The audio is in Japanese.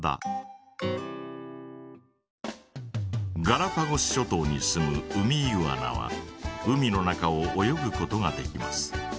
ガラパゴス諸島に住むウミイグアナは海の中を泳ぐことができます。